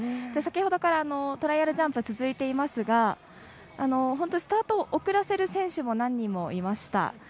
先ほどからトライアルジャンプ続いていますが本当にスタート遅らせる選手も何人もいました。